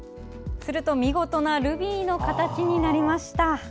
すると見事なルビーの形になりました。